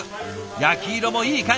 焼き色もいい感じ。